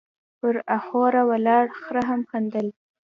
، پر اخوره ولاړ خره هم خندل،